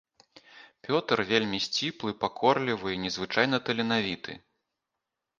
Пётр вельмі сціплы, пакорлівы і незвычайна таленавіты.